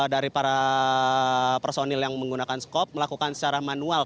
dari para personil yang menggunakan skop melakukan secara manual